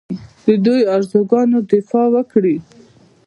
د دوی ارزوګانو دفاع وکړي